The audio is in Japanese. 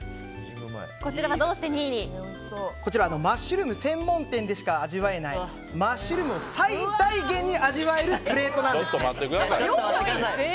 マッシュルーム専門店でしか味わえないマッシュルームを最大限に味わえるプレートなんです。